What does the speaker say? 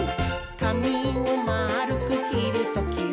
「かみをまるくきるときは、」